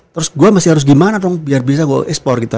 terus gue masih harus gimana dong biar bisa gue ekspor gitu